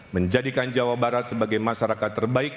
menjadikan jawa barat sebagai masyarakat terbaik